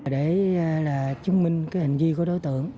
để chứng minh hình ghi của đối tượng